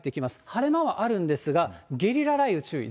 晴れ間はあるんですが、ゲリラ雷雨注意。